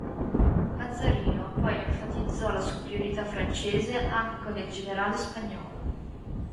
Mazzarino poi enfatizzò la superiorità francese anche con il generale spagnolo.